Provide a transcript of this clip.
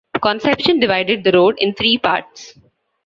Conception divided the Road in three parts.